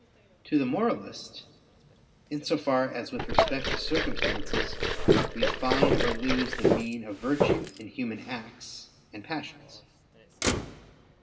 To the moralist, in so far as with respect to circumstances we find or lose the mean of virtue in human acts and passions.